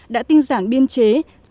đã tin giảng biên chế